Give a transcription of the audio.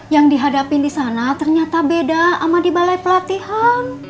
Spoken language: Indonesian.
yang dihadapin disana ternyata beda sama di balai pelatihan